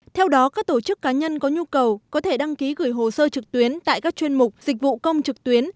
theo đó các tổ chức cá nhân có nhu cầu có thể đăng ký gửi hồ sơ trực tuyến tại các chuyên mục dịch vụ công trực tuyến